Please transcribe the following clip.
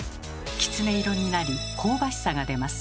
きつね色になり香ばしさが出ます。